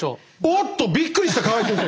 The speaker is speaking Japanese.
おっとびっくりした河合先生！